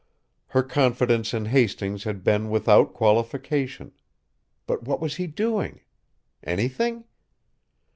Her confidence in Hastings had been without qualification. But what was he doing? Anything?